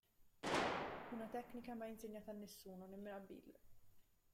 Una tecnica mai insegnata a nessuno, nemmeno a Bill.